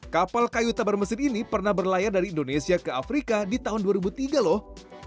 kapal kayu tabar mesir ini pernah berlayar dari indonesia ke afrika di tahun dua ribu tiga loh